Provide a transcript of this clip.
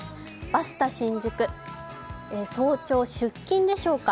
バスタ新宿、早朝出勤でしょうか。